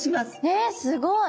えすごい！